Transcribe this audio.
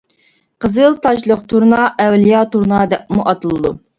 قىزىل تاجلىق تۇرنا ئەۋلىيا تۇرنا دەپمۇ ئاتىلىدۇ.